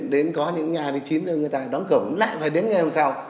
đến có những nhà thì chín giờ người ta đón cổng lại phải đến ngay hôm sau